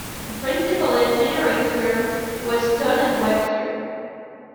The principal engineering firm was Stone and Webster.